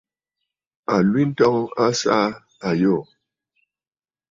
Àlwintɔŋ a saà àyoò.